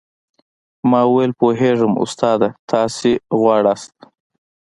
ما وويل پوهېږم استاده تاسې غواړاست.